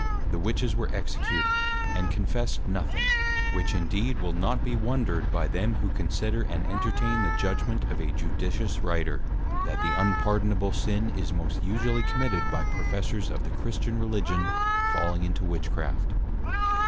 The Witches were Executed; and Confessed nothing; which indeed will not be wondred by them, who Consider and Entertain the Judgment of a Judicious Writer, _That the Unpardonable Sin, is most usually Committed by Professors of the Christian Religion, falling into Witchcraft.